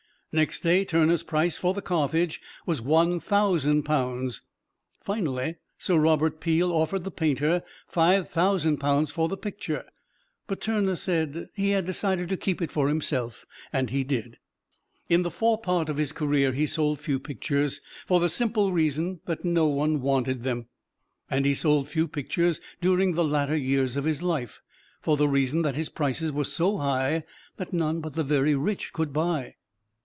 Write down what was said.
Next day Turner's price for the "Carthage" was one thousand pounds. Finally, Sir Robert Peel offered the painter five thousand pounds for the picture, but Turner said he had decided to keep it for himself, and he did. In the forepart of his career he sold few pictures for the simple reason that no one wanted them. And he sold few pictures during the latter years of his life, for the reason that his prices were so high that none but the very rich could buy.